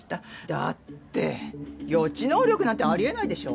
だって予知能力なんてありえないでしょ。